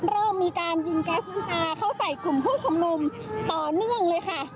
เริ่มมีการยิงแก๊สน้ำตาเข้าใส่กลุ่มผู้ชุมนุมต่อเนื่องเลยค่ะ